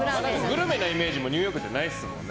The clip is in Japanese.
グルメなイメージもニューヨークはないですよね。